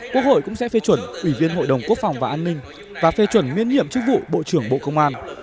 quốc hội cũng sẽ phê chuẩn ủy viên hội đồng quốc phòng và an ninh và phê chuẩn miễn nhiệm chức vụ bộ trưởng bộ công an